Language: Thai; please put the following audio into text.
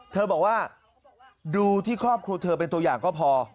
เธอบอกว่าดูที่ครอบครัวเธอเป็นตัวอย่างก็พอ